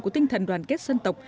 của tinh thần đoàn kết sân tộc